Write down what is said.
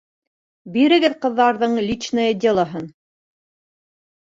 Бирегеҙ ҡыҙҙарҙың «Личное дело»һын.